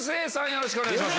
よろしくお願いします。